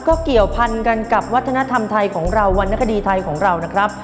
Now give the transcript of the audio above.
ก็เกี่ยวพันกันกับวัฒนธรรมไทยของเราวรรณคดีไทยของเรานะครับ